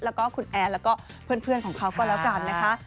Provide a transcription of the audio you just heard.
แล้วก็คุณแอนแล้วก็เพื่อนของเขาก็แล้วกันนะคะ